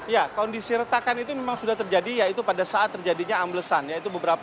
ya kondisi retakan itu memang sudah terjadi yaitu pada saat terjadinya amblesan yaitu beberapa